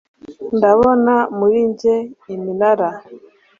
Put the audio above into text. ndabona muri njye iminara